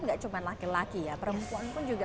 gak cuma laki laki ya perempuan pun juga